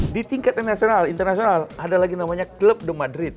di tingkat nasional internasional ada lagi namanya club de madrid